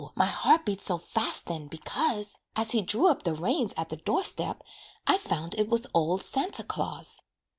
my heart beat so fast then because, As he drew up the reins at the door step, I found it was old Santa Claus.